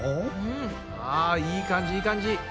あいい感じいい感じ。